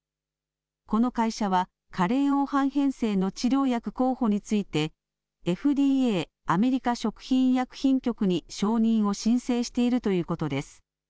この会社は加齢黄斑変性の治療薬候補についてＦＤＡ・アメリカ食品医薬品局に承認を申請しているということです。